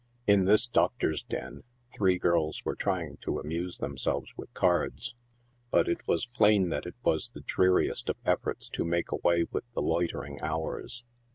In this doctor's den three girls were trying to amuse themselves with cards, but it was plain that it was the dreariest of efforts to make away with the loitering hours.